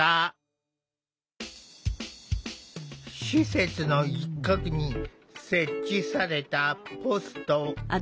施設の一角に設置されたポスト。